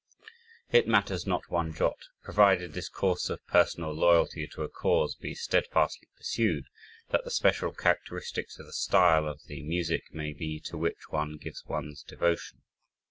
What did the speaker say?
"It matters not one jot, provided this course of personal loyalty to a cause be steadfastly pursued, what the special characteristics of the style of the music may be to which one gives one's devotion."